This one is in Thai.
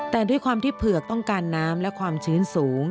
แต่ด้วยความที่เผือกต้องการน้ำและความชื้นสูง